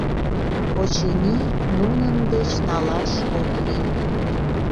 Очыни, нунын деч налаш ок лий.